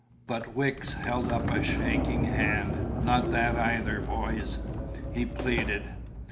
But Wicks held up a shaking hand. "Not that either, boys," he pleaded.